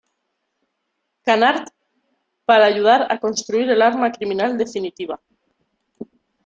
Canard para ayudar a construir el arma criminal definitiva.